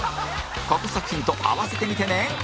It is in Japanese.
過去作品と併せて見てね